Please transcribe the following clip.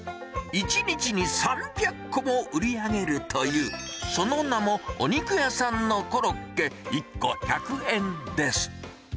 １日に３００個も売り上げるという、その名も、お肉屋さんのコロッケ１個１００円です。